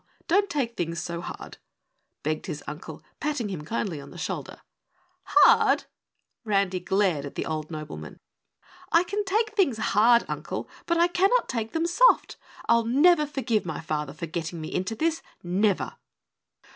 Don't take things so hard," begged his uncle, patting him kindly on the shoulder. "Hard?" Randy glared at the old nobleman. "I can take things hard, Uncle, but I cannot take them soft. I'll never forgive my father for getting me into this NEVER!"